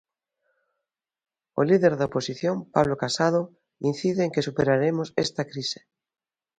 O líder da oposición, Pablo Casado, incide en que superaremos esta crise.